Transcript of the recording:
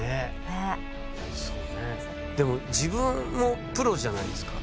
でも自分もプロじゃないですか。